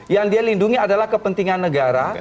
yang dia lindungi adalah kepentingan negara